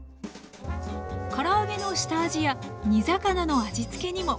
から揚げの下味や煮魚の味付けにも。